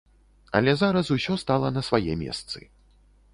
Але зараз усё стала на свае месцы.